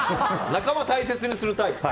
仲間、大切にするタイプ。